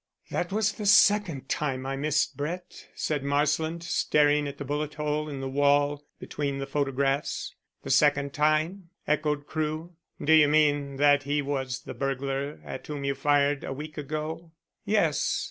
"That was the second time I missed Brett," said Marsland, staring at the bullet hole in the wall between the photographs. "The second time?" echoed Crewe. "Do you mean that he was the burglar at whom you fired a week ago?" "Yes.